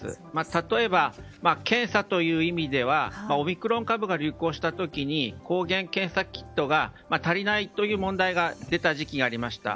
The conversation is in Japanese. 例えば、検査という意味ではオミクロン株が流行した時に抗原検査キットが足りないという問題が出た時期がありました。